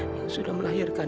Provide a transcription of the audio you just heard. yang sudah melahirkan